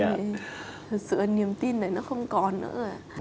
thật sự niềm tin này nó không còn nữa rồi ạ